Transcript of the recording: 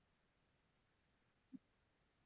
طلا د افغانستان د چاپیریال ساتنې لپاره مهم دي.